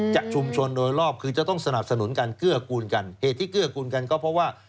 ชุมชนโดยรอบคือจะต้องสนับสนุนการเกื้อกูลกันเหตุที่เกื้อกูลกันก็เพราะว่า